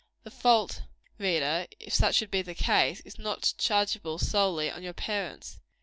The fault, reader if such should be the case is not chargeable, solely, on your parents.